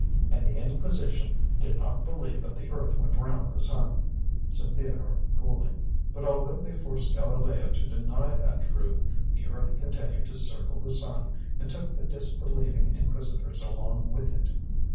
"And the Inquisition did not believe that the earth went round the sun," said Theodore coolly. "But although they forced Galileo to deny that truth, the earth continued to circle the sun and took the disbelieving Inquisitors along with it.